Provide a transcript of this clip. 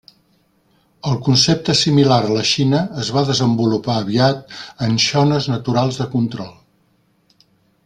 El concepte similar a la Xina es va desenvolupar aviat en xones naturals de control.